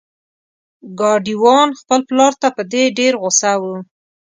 ګاډی وان خپل پلار ته په دې ډیر غوسه و.